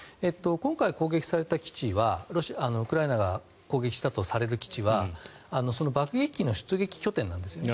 今回攻撃された基地はウクライナが攻撃したとされる基地はその爆撃機の出撃拠点なんですね。